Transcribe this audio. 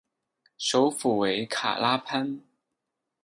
首府为卡拉潘。